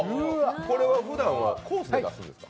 これは、ふだんはコースで出してるんですか？